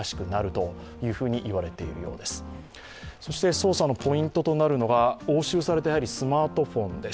捜査のポイントとなるのが押収されたスマートフォンです。